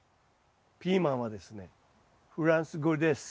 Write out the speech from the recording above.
ピーマンはですねフランス語です。